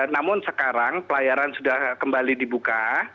namun sekarang pelayaran sudah kembali dibuka